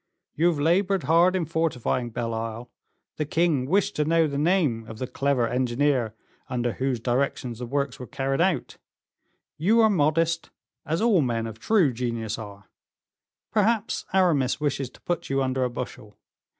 You have labored hard in fortifying Belle Isle; the king wished to know the name of the clever engineer under whose directions the works were carried out; you are modest, as all men of true genius are; perhaps Aramis wishes to put you under a bushel.